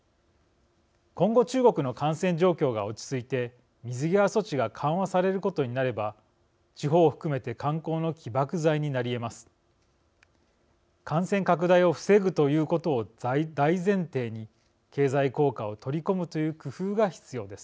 今後、中国の感染状況が落ち着いて、水際措置が緩和されることになれば地方を含めて観光の起爆剤になりえます。